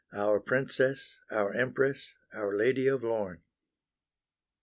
Our Princess, our Empress, our Lady of Lorne!